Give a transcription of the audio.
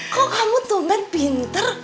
kok kamu tuh men pinter